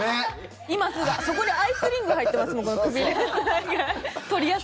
今、そこにアイスリング入ってますもん、首のやつ。